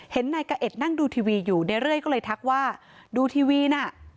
เห็นนายกะเอ็ดนั่งดูทีวีอยู่เรื่อยก็เลยทักว่าดูทีวีน่ะ